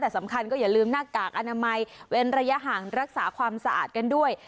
แต่สำคัญก็อย่าลืมหน้ากากอนามัยเว้นระยะห่างรักษาความสะอาดกันด้วย